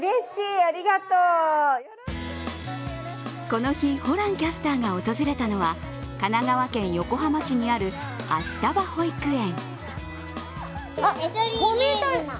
この日、ホランキャスターが訪れたのは神奈川県横浜市にある明日葉保育園。